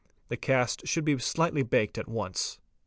The cast should be shghtly baked at once.